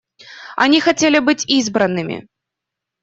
Они хотели быть избранными.